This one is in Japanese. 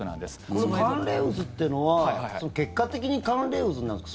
その寒冷渦ってのは結果的に寒冷渦になるんですか？